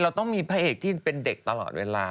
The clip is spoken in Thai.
เราต้องมีพระเอกที่เป็นเด็กตลอดเวลา